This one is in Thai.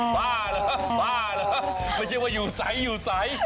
บ้าเหรอบ้าเหรอไม่ใช่ว่าอยู่ใสอยู่ใส